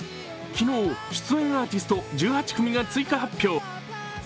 昨日、出演アーティスト１８組が追加発表。